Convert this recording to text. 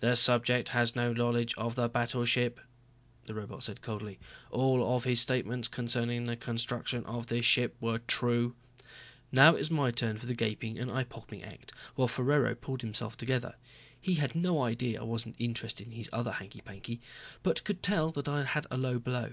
"The subject has no knowledge of the battleship," the robot said coldly. "All of his statements concerning the construction of this ship were true." Now it was my turn for the gaping and eye popping act while Ferraro pulled himself together. He had no idea I wasn't interested in his other hanky panky, but could tell I had had a low blow.